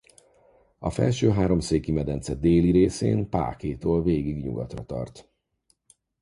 A Felső-háromszéki-medence déli részén Pákétól végig nyugatra tart.